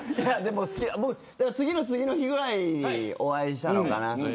次の次の日ぐらいにお会いしたのかな。